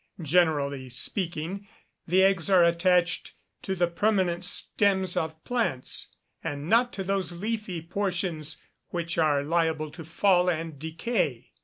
Generally speaking, the eggs are attached to the permanent stems of plants, and not to those leafy portions which are liable to fall and decay.